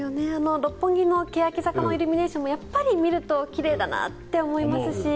六本木のけやき坂のイルミネーションもやっぱり見ると奇麗だなって思いますし。